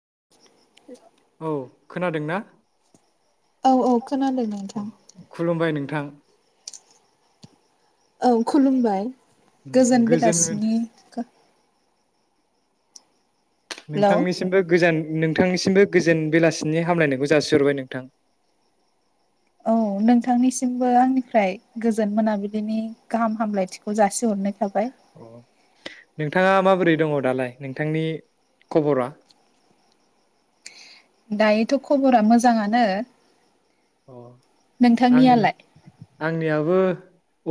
[inaudible] औ खोनादोंना? औ औ खोनादों नोंथां। थां। औ खुलुमबाय गोजोन बेलासिनि हेलौ नोंथांनिसिमबो गोजान नों नोंथांनिसिमबो गोजोन बेलासिनि हामलायनायखौ जासिहरबाय नोंथां। औ नोंथांनिसिमबो आंनिफ्राय गोजोन मोनाबिलिनि गाहाम हामलायथिखौ जासिग हरनाय थाबाय। अ नोंथाङा माबोरै दङ दालाय नोंथांनि खबरा? दायोथ' खबरा मोजाङानो। अ आं नोंथांनियालाय आंनियाबो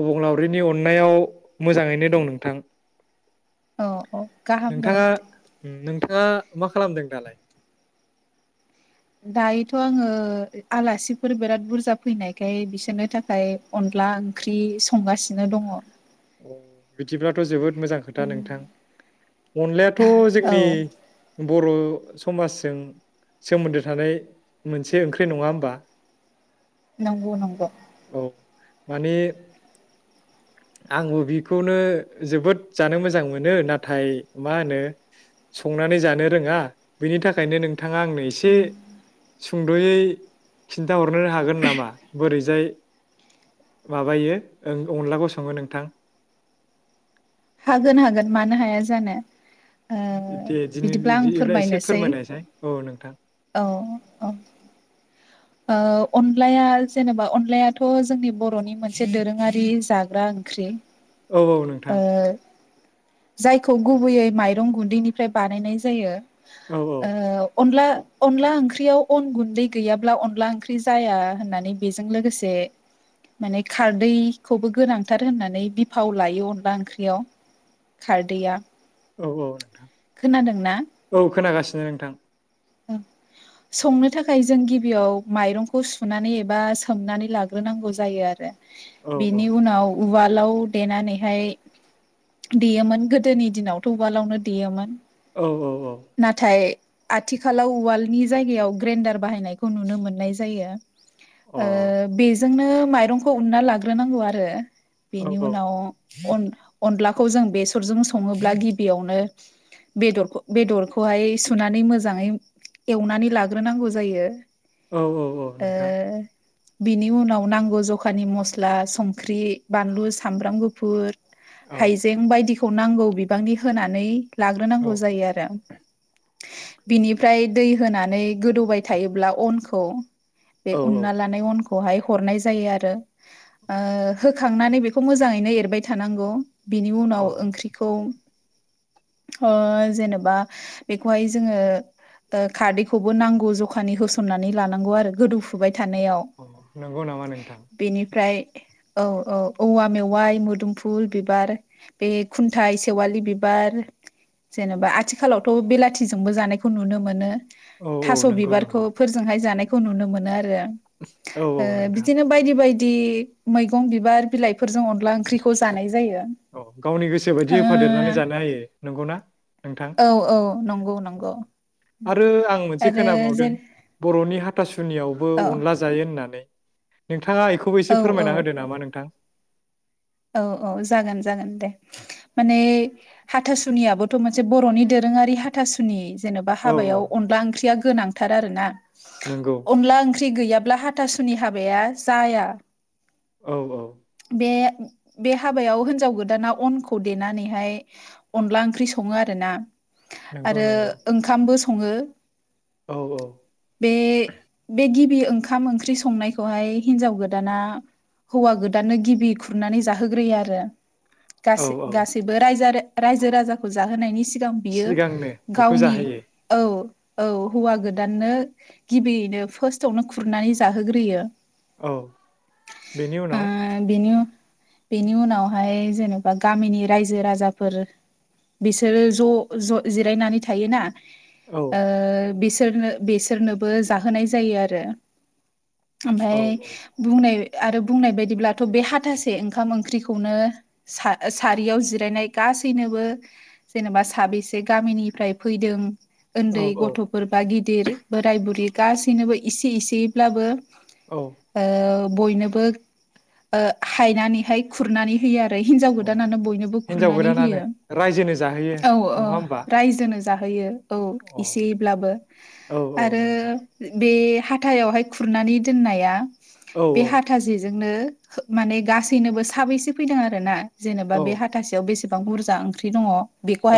अबंलावरिनि अननायाव मोजाङैनो दं नोंथां। औ औ गाहाम नोंथाङा गाहाम दे उम नो नोंथाआ खालामदों दालाय? दायोथ' आङो आलासिफोर बिराद बुरजा फैनायखाय बिसोरनो थाखाय अनला ओंख्रि संगासिनो दङ। अ बिदिबलाथ जोबोद मोजां खोथा नोंथां अनलायाथ औ जोंनि बर समाजजों सोमोन्दो थानाय मोनसे ओंख्रि नङा होमबा? नंगौ नंगौ। औ माने आंबो बिखौनो जोबोद जानो मोजां मोनो नाथाय मा होनो संनानै जानो रोंङा बिनि थाखायनो नोंथाङा आंनो एसे सुंदयै खिन्थाहरनो हागोन नामा बोरैजाय माबायो अनलाखौं संङो नोंथां? हागोन हागोन मानो हाया जानो। ओ दे बिदिब्ला आं दिनैब्ला एसे फोरमायनोसै फोरमायनायसै औ नोंथां। औ औ ओ अनलाया जेनेबा अन अनदलायाथ जोंनि बर'नि मोनसे दोरोंङारि जाग्रा ओंख्रि। औ औ ओ नोंथां। जायखौ गुबैयै माइरं गुन्दैनिफ्राय बानायनाय जायो। औ औ ओ अनला अनला ओंख्रियाव अन गुन्दै गैयाब्ला अब्ला अनला ओंख्रि जाया होननानै बेजों लोगोसे माने खारदैखौबो गोनांथार होननानै बिफाव लायो अनला ओंख्रियाव खारदैया। औ, औ नोंथां खोनादोंना औ खोनागासिनो। नोंथां संनो थाखाय जों गिबियाव माइरंखौ सुनानै एबा सोमनानै लाग्रोनांगौ जायो आरो औ औ बेनि उनाव उवालाव देनानैहाय देयोमोन गोदोनि दिनावथ उवालावनो देयोमोन। औ औ औ। नाथाय आथिखालाव उवालनि जायगायाव ग्रेन्डार बाहायनायखौ नुनो मोननाय जायो। औ अ ओ बेजोंनो माइरंखौ उनना लाग्रोनांगौ आरो औ बिनि उनाव अनलाखौ जों बेसरजों संङोब्ला गिबियावनो बेदर बेदरखौहाय सुनानै मोजां मोजांङै एवनानै लाग्रोनांगौ जायो। औ औ औ ओ नोंथां। बिनि उनाव नांगौ जखानि मस्ला संख्रि बानलु सामब्राम गुफुर औ हाइजें बायदि खौ नांगौ बिबांनि होनानै औ लाग्रोनांगौ जायो आरो। बिनिफ्राय दै होनानै गोदौबाय थायोब्ला अनखौ बे औ उनना लानाय अनखौ खौहाय हरनाय जायो आरो ओ होखांनानै बेखौ मोजाङैनो एरबाय थानांगौ। बेनि उनाव अ ओंख्रिखौ जेनेबा बेखौहाय जोङो खारदैखौबो नांगौ जखानि होसननानै लानांगौ आरो गोदौफुबाय थानायाव अ नंगौ नामा नोंथां बेनिफ्राय औ औ औवा मेवाइ, मोदुमफुल बिबार, बे खुन्थाइ, सेवालि बिबार, जेनेबा आथिखालावथ' बेलाथिजोंबो जानाय खौ नुनो मोनो। औ औ थास' नंगौ बिबारखौ नंगौ फोरजोंहाय जानाय खौ नुनो मोनो आरो आं। औ औ ओ नोंथां बिदिनो बायदि बायदि बिदि मैगं, बिबार, बिलाइफोरजों अनला ओंख्रिखौ जानाय जायो। औ गावनि गोसो बायदि होफादेरनानै जानो ओ हायो नंगौना नोंथां? औ औ नंगौ नंगौ आरो आं मोनसे आरो खोनाबावदों जेन बर'नि [unintelligible] सुनियावबो औ अनला जायो होननानै। [unintelligible] नोंथाङा बेखौबो एसे औ औ फोरमायना होदो नामा नोंथां? औ औ जागोन जागोन। दे माने हाथासुनियाबोथ' मोनसे बर'नि दोरोङारि हाथासुनि जेनेबा औ औ हाबायाव अनदला ओंख्रिया गोनांथार आरोना। नंगौ अनला ओंख्रि गैया ब्ला हाथासुनि हाबाया जाया। औ औ। बे बे हाबायाव हिनजाव गोदाना अनखौ देनानैहाय अनला ओंख्रि सङो आरो ना। नंगौ आरो नंगौ ओंखामबो [unintelligible] सङो औ औ बे बे [unintelligible] बि ओंखाम ओंख्रि संनायखौ हाय हिनजाव गोदाना हौवा गोदाननो गिबि खुरनानै [unintelligible] होग्रोयो आरो औ गासै औ गासैबो रायजो आरो रायजो राजाखौ जाहोनायनि [unintelligible] गां बियो सिगांनो बेखौ गावनि जाहोयो औ औ हौवा गोदाननो गिबियैनो फार्स्टआवनो खुरनानै जाहोग्रोयो। औ बेनि ओ उनाव बेनि बेनि उनावहाय जेनेबा गामिनि रायजो राजाफोर बिसोरो ज ज जिरायनानै थायोना औ ओ बिसो सोरनो बेसोरनोबो जाहोनाय जायो आरो। औ ओमफ्राय बुंनाय आरो बुंनाय बायदिब्लाथ बे हाथासे ओंखाम ओं ख्रिखौनो सा सारियाव जिरायनाय गासैनोबो जेनेबा साबेसे गामिनिफ्राय फैदों औ उन्दै औ गथ'फोर बा गि दिर बोराय बुरि गासैनोबो इसे इसेयैब्लाबो औ ओ। बयनोबो ओ हायनानैहाय खुरनानै होयो आरो। हिनजाव औ गोदानानो बयनोबो हिन्जाव खुरनानै गोदानानो होयो रायजोनो जाहोयो औ नङा ओ होमबा रायजोनो जा जाहोयो। औ अ एसेब्लाबो औ औ आरो नोंथां बे हाथायावहाय खुरनानै दोननाया औ बे हाथासेजोंनो माने गासैनोबो साबैसे फैदों आरोना जेनेबा औ बे हाथासेयाव बेसे गोबां बुरजा ओंख्रि दङ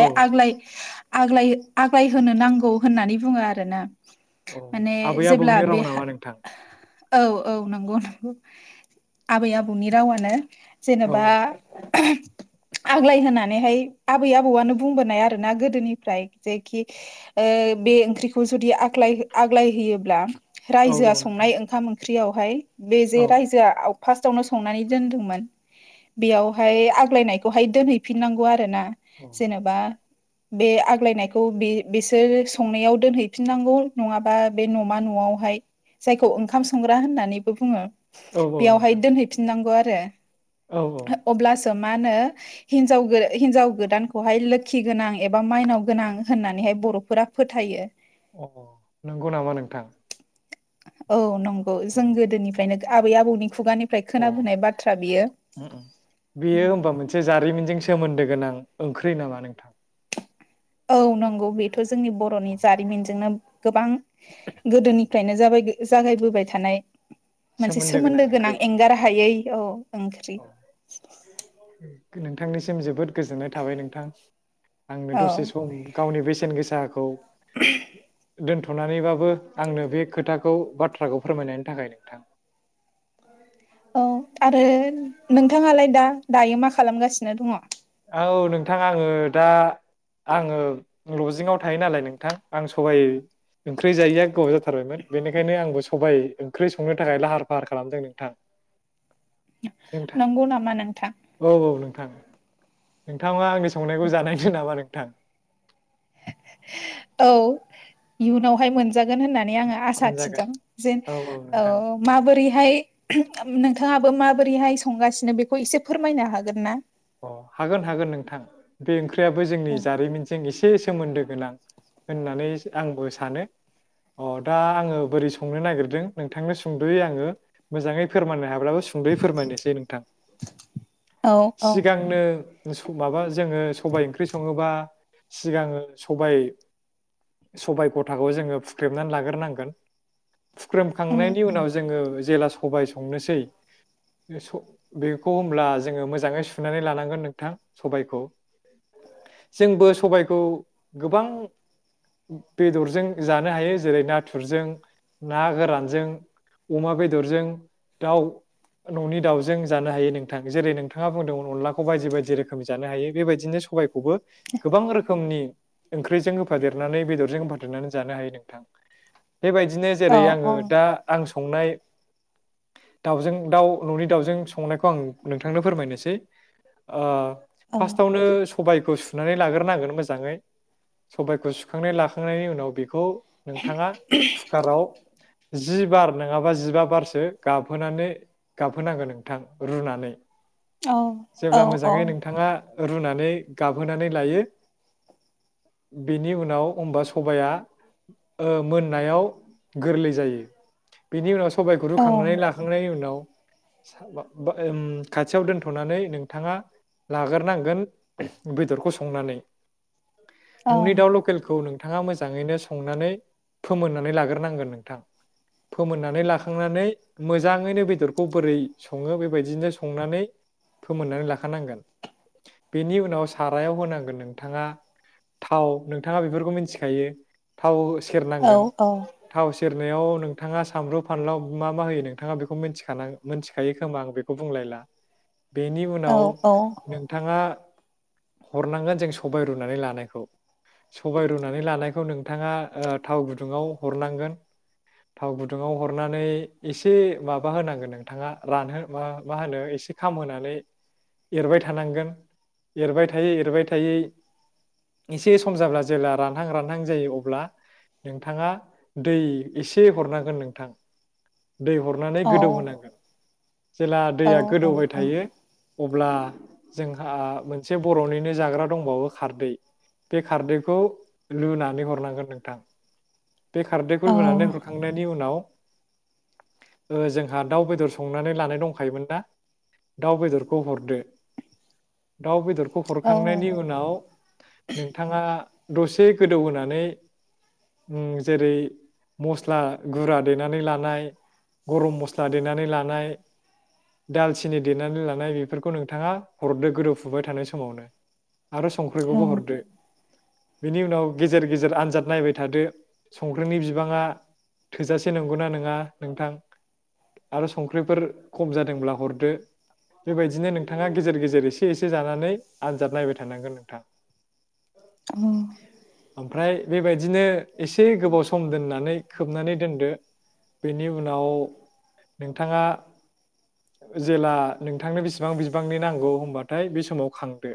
औ आग्लाय आग्लाय आग्लाय होनो नांगौ होननानै बुङो आरो ना। औ आबै आबौनि राव नामा नोंथां। औ औ नंगौ नंगौ आबै आबौनि रावानो। औ जेनेबा आग्लाय होनानैहाय आबै आबौआनो बुंबोनाय आरो ना गोदोनिफ्राय जेखि ओ बे ओंख्रिखौ जुदि आग्लाय आग्लाय होयोब्ला औ रायजोआ औ नोंथां संनाय ओंखाम ओं ख्रियावहाय बे जे औ रायजोआ आव फार्स्टावनो संनानै दोन्दोंमोन बेयावहाय आग्लायनायखौहाय दोनहैफिननांगौ आरो ना। जेनेबा बे आग्लायनायखौ बे बेसोर संनायाव दोनहैफिननांगौ नङाबा बे न'मा न'आवहाय जायखौ ओंखाम संग्रा होननानैबो बुङो। औ औ बेयावहाय नोंथां दोनहैफिननांगौ आरो [unintelligible] औ औ अब्लासो मा होनो हिनजाव हिनजाव गोदानखौहाय लोखि गोनां एबा माइनाव गोनां होननानैहाय बर'फोरा फोथायो। अ नंगौ नामा नोंथां औ नं गौ अ जों गोदोनिफ्रायनो आबै आबौनि खुगानिफ्राय अ खोनाबोनाय बाथ्रा बियो बेयो होमबा मोनसे जारिमिनजों सोमोन्दो गोनां। ओंख्रि नामा नोंथां औ नंगौ बे थ' जोंनि बर'नि अ जारिमिनजोंनो गोबां गोदोनिफ्रायनो जागाय जागायबोबाय थानाय मोनसे सोमोन्दो गोनां एंगार हायै औ ओंख्रि नोंथांनिसिम जोबोद गोजोननाय थाबाय नोंथां। आंनो औ दसे सम गावनि बेसेन गोसाखौ दोन्थ'नानैबाबो आंनो बे खोथाखौ बाथ्राखौ फोरमायनायनि थाखाय नोंथां। औ आरो नोंथांआलाय दा दायो मा खालामगासिनो दङ'? औ नोंथां आङो दा आङो लजिंआव थायो नालाय नोंथां आं सबाइ ओंख्रि जायैया गोबाव जाथारबायमोन बेनिखायनो आंबो सबायाइ ओंख्रि संनो थाखाय लाहार फाहार खालामदों नोंथां। नोंथां नंगौ नामा नोंथां नोंथांङा आंनि संनायखौ जानायनो‌ नामा नोंथां? औ इयुनावहाय मोन जागोन होननानै आङो आसा मोनजागोन थिदों जे औ औ नोंथां माबोरैहाय नोंथाङाबो माबोरैहाय संगासिनो बेखौ? एसे फोरमायनो हागोन ना अ हागोन हागोन नोंथां बे ओख्रियाबो जोंनि जारिमिनजों एसे सोमोन्दो गोनां होननानै आंबो सानो अ दा आङो बोरै संनो नागिरदों नोंथांनो सुंद'यै आङो मोजाङै फोरमायनो हाब्लाबो सुंद'यै फोरमायनोसै नोंथां- औ औ सिगांनो माबा जोङो सबाय ओंख्रि सङोबा सिगाङो सबाय सबाय गथाखौ जोङो फुख्रेमनानै लाग्रोनांगोन उम फुख्रेमखांनायनि उम उनाव जोङो जेला सबाय संनोसै बे खौ होमब्ला जोङो मोजाङै सुनानै लानांगोन नोंथां सबायखौ जोंबो सबायखौ गोबां बेदरजों जानो हायो जेरै नाथुरजों ना गोरानजों अमा बेदरजों दाउ न'नि दाउजों जानो हायो नों थां जेरै नोंथाङा बुंदोंमोन अनलाखौ बायदि बायदि रोखोमनि जानो हायो बेबायदिनो सबायखौबो गोबां रोखोमनि ओंख्रिजों होफादेरनानै बेदरजों होफादेरनानै जानो हायो नोंथां। बेबायदिनो औ जेरै आङो औ दा आं संनाय दाउजों दाउ न'नि दाउजों संनायखौ आं नोंथांनो फोरमायनोसै ओ औ फार्स्टावनो सबायाइखौ सु नानै लाग्रोनांगोन मोजाङै सबायाइखौ सुखांनानै लाखांनायनि उनाव बेखौ नोंथाङा खुकाराव जि बार नङाबा जिबा बारसो गाबहोनानै गाबहोनांगोन नोंथां रुनानै। [inaudible] औ औ जेब्ला औ मोजाङै नोंथाङा रुनानै गाबहोनानै लायो बेनि उनाव होमबा सबाया ओ मोननायाव गोरलै जायो बिनि उनाव सबायाइखौ औ रुखांनानै लाखांनायनि उनाव बा-बा ओम खाथियाव दोनथ'नानै नोंथाङा लाग्रोनांगोन बेदरखौ संनानै। न'नि दाउ लकेलखौ नों थाङा मोजाङैनो संनानै फोमोननानै लाग्रोनांगोन नोंथां फोमोननानै लाखांनानै मोजाङैनो बेदरखौ बोरै सङो बेबायदिनो संनानै फोमोननानै लाखानांगोन बेनि उनाव सारायाव होनांगोन नोंथाङा थाव नोंथाङा बेफोरखौ मिथिखायो थाव सेरनांगोन औ थाव से रनायाव नोंथाङा सामब्रु फानलाव मा मा होयो नोंथाङा बेखौ मिथिखान मिथिखायो खोमा आं बेखौ बुंलायला [inaudible] [inaudible] बेनि औ उनाव औ नोंथाङा हरनांगोन जों सबाय रुनानै लानायखौ सबाय रुनानै लानायखौ नोंथाङा ओ थाव गुदुङाव हरनांगोन थाव गुदुङाव हरनानै एसे माबा होनांगोन नोंथाङा रानहो मा मा होनो एसे खामहोनानै एरबाय थानांगोन एरबाय थायै एरबाय थायै एसे सम जाब्ला जेब्ला रानहां रानहां जायो अब्ला नोंथाङा दै एसे हरनांगोन नोंथां। दै हरनानै औ गोदौ होनांगोन। जेला दैया औ गोदौबाय थायो अ ब्ला जोंहा मोनसे बर'निनो जाग्रा दंबावो खारदै बे खारदैखौ लुनानै हरनांगोन नोंथां। बे औ खारदैखौ लुनानै हरखांनायनि उनाव ओ जोंहा दाउ बेदर संनानै लानाय दंखायोमोन ना दाउ बेदरखौ हरदो दाउ बेदर खौ औ हरखांनायनि उनाव नोंथाङा दसे गोदौहोनानै ओम जेरै मस्ला गुरा देनानै लानाय, गरम मस्ला देनानै लानाय दालचिनि देनानै लानाय बेफोरखौ नोंथाङा हरदो गोदौफुबाय थानाय समावनो। आरो संख्रिखौबो हरदो। बेनि उनाव गेजेर गेजेर आनजाद नायबाय थादो संख्रिनि बिबाङा थोजासे नंगौ ना नङा नोंथां आरो संख्रिफोर खम जादोंब्ला हरदो बेबायदिनो नोंथाङा गेजेर गेजेर एसे एसे जानानै आनजाद नायबाय थानांगोन नोंथां। ओमफ्राय बेबायदिनो एसे गोबाव सम दोननानै खोबनानै दोनदो बेनि उनाव नोंथाङा जेला नोंथांनो बेसिबां बिबांनि नांगौ होमबाथाय बे समाव खांदो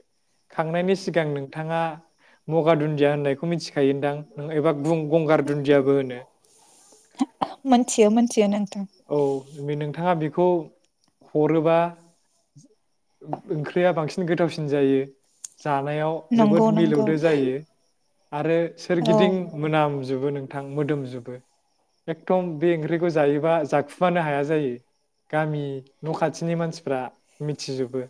खांनायनि सिगां नोंथाङा मगार दुन्दिया होननायखौ मिथिखायो दां एबा गंगार दुन्दियाबो होनो। मोनथियो मोनथियो नों औ बे नों थाङा बेखौ हरोबा ओंख्रिया बांसिन गोथावसिन जायो। जानायाव नंगौ जोबोद नंगौ मिलौदो जायो। आरो औ सोरगिदिं मोनाम जोबो नोंथां मोदोमजोबो। एकदम बे ओंख्रिखौ जायोबा जाखुमानो हाया जायो गामि न' खाथिनि मानसिफ्रा मिथिजोबो।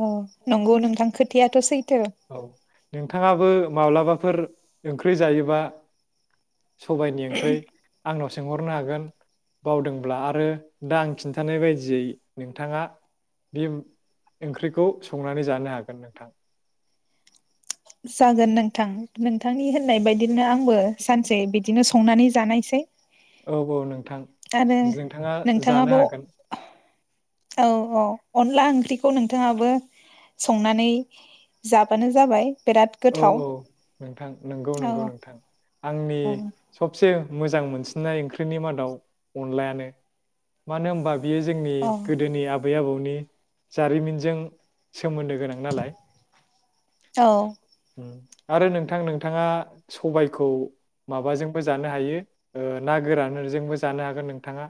अ नंगौ नोंथां खोथायाथ' सै औ। नोंथाङाबो माब्लाबाफोर ओंख्रि जायोबा सबाइनि ओंख्रै। आंनाव सोंहरनो हागोन बावदोंब्ला आरो दा आं खिन्थानाय बायदियै नोंथाङा बे ओंख्रिखौ संनानै जानो हागोन नोंथां। जागोन नोंथां नों थांनि होननाय बायदिनो आंबो सानसे बिदिनो संनानै जानायसै। औ औ नोंथां नोंथाङा जानो नोंथाङाबो हागोन। औ औ अनला ओंख्रिखौ नोंथाङाबो संनानै जाबानो जाबाय। बिराद औ गोथाव औ नोंथां नोंगौ औ नोंगौ नोंथां। आंनि औ सबसे मोजां मोनसिननाय ओंख्रिनि मादाव अनलायानो मानो होमबा बियो जोंनि गोदोनि आबै आबौनि नि जारिमिनजों सोमोन्दो गोनां नालाय। औ। आरो नोंथां नोंथाङा सबायाइखौ माबाजोंबो जानो हायो ना गोरानजोंबो जानो हागोन नोंथाङा।